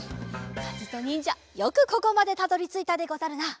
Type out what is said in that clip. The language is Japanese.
かずとにんじゃよくここまでたどりついたでござるな。